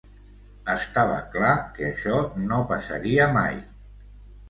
Estava clar que això no passaria mai.